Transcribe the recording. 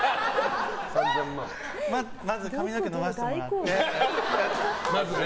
まず髪の毛伸ばしてもらって。